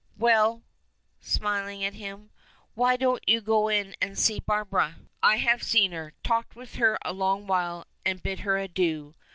"Well," smiling at him, "why don't you go in and see Barbara?" "I have seen her, talked with her a long while, and bid her adieu.